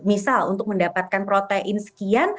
misal untuk mendapatkan protein sekian